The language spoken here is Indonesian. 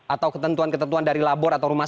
atau ketentuan ketentuan dari labor atau rumah